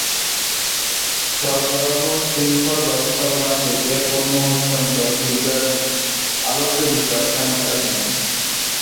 সরবরাহ শৃঙ্খল ব্যবস্থাপনা থেকে পণ্য স্থানান্তর বিদ্যার আলোচ্য বিষয় খানিক ভিন্ন।